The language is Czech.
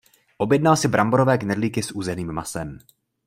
Objednal si bramborové knedlíky s uzeným masem.